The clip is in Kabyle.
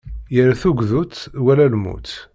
Yir tugdut wala lmut.